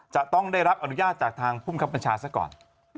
จะต้องได้รับอนุญาตจากทางภูมิครับบัญชาซะก่อน